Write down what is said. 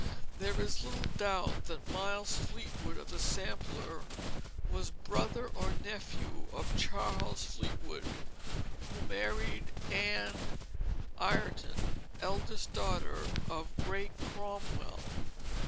There is little doubt that the Miles Fleetwood of the sampler was the brother or nephew of Charles Fleetwood who married Anne Ireton, eldest daughter of great Cromwell.